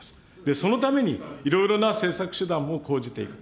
そのために、いろいろな政策手段を講じていくと。